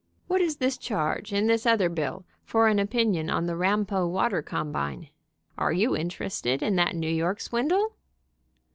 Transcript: What is this charge in this other bill for an opinion on the Rampo water combine? Are you interested in that New York swindle?"